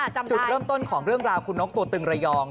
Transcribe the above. จุดเริ่มต้นของเรื่องราวคุณนกตัวตึงระยอง